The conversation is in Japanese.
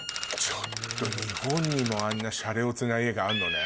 ちょっと日本にもあんなシャレオツな家があんのね。